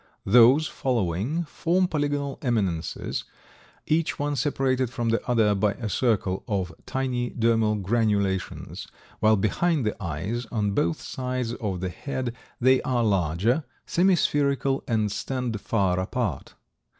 Those following form polygonal eminences, each one separated from the other by a circle of tiny dermal granulations, while behind the eyes on both sides of the head they are larger, semi spherical and stand far apart.